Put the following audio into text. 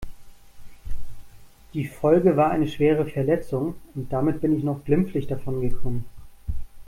Die Folge war eine schwere Verletzung und damit bin ich noch glimpflich davon gekommen.